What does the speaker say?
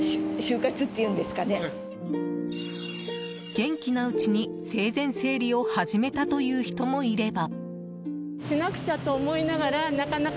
元気なうちに生前整理を始めたという人もいれば。